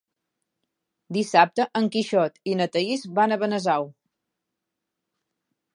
Dissabte en Quixot i na Thaís van a Benasau.